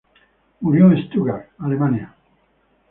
Murió en Stuttgart, Alemania.